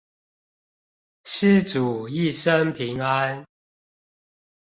施主一生平安